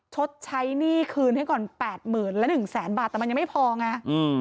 ชดใช้หนี้คืนให้ก่อน๘๐๐๐๐และ๑๐๐๐๐๐บาทแต่มันยังไม่พอไง